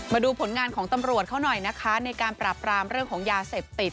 มาดูผลงานของตำรวจเขาหน่อยนะคะในการปราบรามเรื่องของยาเสพติด